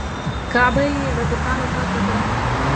کعبه یې له بتانو پاکه کړه.